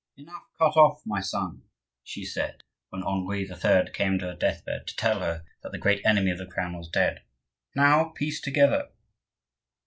"Enough cut off, my son," she said when Henri III. came to her death bed to tell her that the great enemy of the crown was dead, "now piece together."